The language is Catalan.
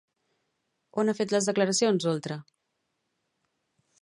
On ha fet les declaracions Oltra?